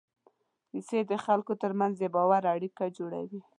کیسې د خلکو تر منځ د باور اړیکه جوړوي.